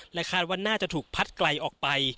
คาดว่าน่าจะถูกพัดไกลออกไป